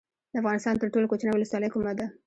د افغانستان تر ټولو کوچنۍ ولسوالۍ کومه ده؟